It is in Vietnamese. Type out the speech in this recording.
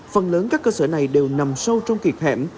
phần lớn các cơ sở này đều nằm sâu trong kiệt hẻm